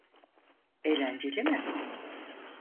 Eğlenceli mi?